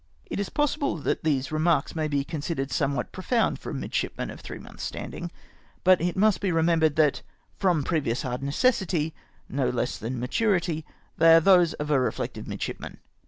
It is possible that these remarks may be considered somewhat profound for a midshipman of three months' standing ; but it must be remembered that, from previous hard necessity, no less tlian maturity, they are those of a reflective midshipman.